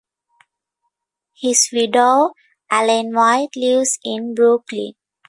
His widow, Allene White, lives in Brooklin.